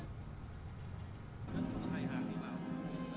mời các bạn nhớ đăng ký kênh để nhận thông tin nhất